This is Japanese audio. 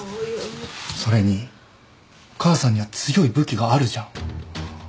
それに母さんには強い武器があるじゃん。